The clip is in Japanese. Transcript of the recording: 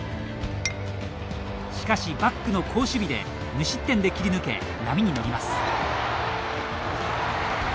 しかし、バックの好守備で無失点で切り抜け、波に乗ります。